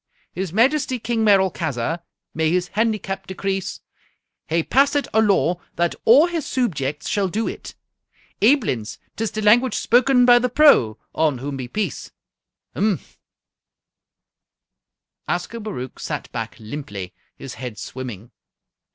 "His Majesty King Merolchazzar may his handicap decrease! hae passit a law that a' his soobjects shall do it. Aiblins, 'tis the language spoken by The Pro, on whom be peace! Mphm!" Ascobaruch sat back limply, his head swimming.